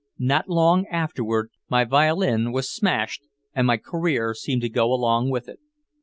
Not long afterward, my violin was smashed, and my career seemed to go along with it."